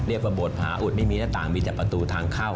เรียกว่าโบสถาอุดไม่มีหน้าต่างมีแต่ประตูทางเข้า